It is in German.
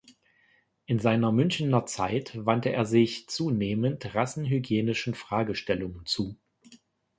In seiner Münchener Zeit wandte er sich zunehmend rassenhygienischen Fragestellungen zu.